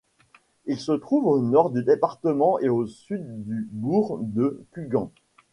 Il se trouve au nord du département et au sud du bourg de Cuguen.